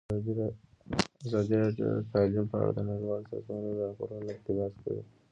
ازادي راډیو د تعلیم په اړه د نړیوالو سازمانونو راپورونه اقتباس کړي.